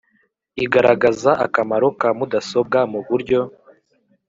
Igaragaza akamaro ka mudasobwa muburyo